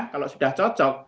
kalau sudah cocok